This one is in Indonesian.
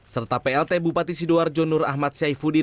serta plt bupati sidoar jonur ahmad syahifudin